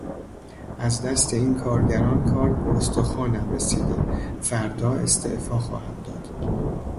از دست این کارگران کارد به استخوانم رسیده، فردا استعفا خواهم داد!